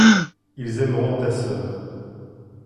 Ils aimeront ta sœur.